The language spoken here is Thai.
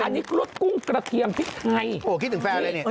อันนี้รสกุ้งกระเทียมพริกไทยโอ้โหคิดถึงแฟนเลยเนี่ย